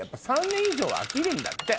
３年以上は飽きるんだって。